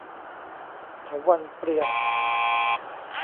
เถาวัลย์เปรียง